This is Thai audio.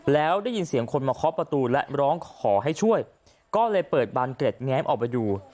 แล้วได้ยินเสียงคนมาเคาะประตูและร้องขอให้ช่วยก็เลยเปิดบานเกร็ดแง้มออกไปดู